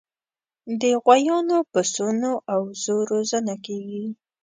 د غویانو، پسونو او وزو روزنه کیږي.